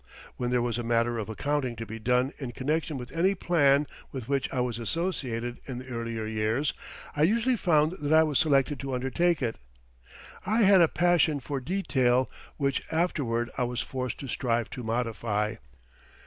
When there was a matter of accounting to be done in connection with any plan with which I was associated in the earlier years, I usually found that I was selected to undertake it. I had a passion for detail which afterward I was forced to strive to modify.